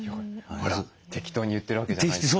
ほら適当に言ってるわけじゃないです。